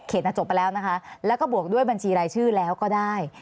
จบไปแล้วนะคะแล้วก็บวกด้วยบัญชีรายชื่อแล้วก็ได้